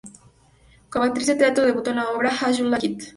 Como actriz de teatro, debutó con la obra "As You Like It".